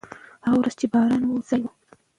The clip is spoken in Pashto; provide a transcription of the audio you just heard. هغه ورځ چې باران و، سړه وه.